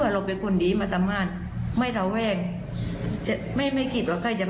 ว่าเราเป็นคนดีมาทำงานไม่ตาแว้งไม่ไม่คิดว่าใครจะมา